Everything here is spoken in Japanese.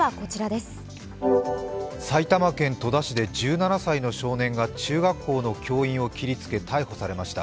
埼玉県戸田市で１７歳の少年が中学校の教員を切りつけ逮捕されました。